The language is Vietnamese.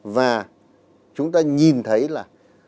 và chúng ta nhìn thấy là